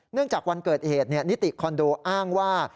จากวันเกิดเหตุนิติคอนโดอ้างว่า